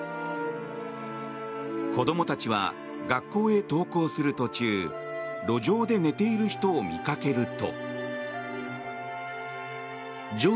子供たちは学校へ登校する途中路上で寝ている人を見かけると。